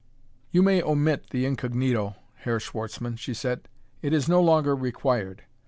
"You may omit the incognito, Herr Schwartzmann," she said; "it is no longer required.